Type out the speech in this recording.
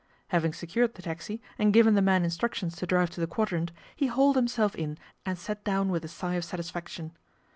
Having secured the taxi and given the man instructions to drive to the Quadrant, he hauled himself in and sat down with a sigh oi satisfaction.